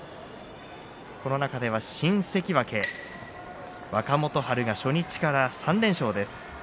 この中では新関脇若元春が初日から３連勝です。